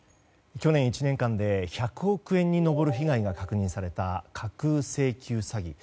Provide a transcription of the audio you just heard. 去年１年間で１００億円に上る被害が確認された架空請求詐欺。